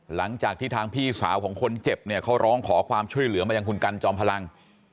หลังจากที่ทางพี่สาวของคนเจ็บเนี่ยเขาร้องขอความช่วยเหลือมายังคุณกันจอมพลัง